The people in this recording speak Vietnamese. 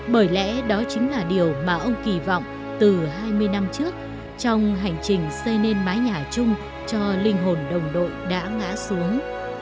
bởi lẽ đó chính là điều mà ông kỳ vọng từ hai mươi năm trước trong hành trình xây nên mái nhà chung cho linh hồn đồng đội đã ngã xuống